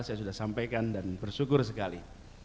saya sudah sampaikan dan bersyukur sekali